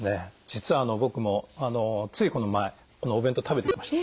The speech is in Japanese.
実は僕もついこの前このお弁当食べてきました。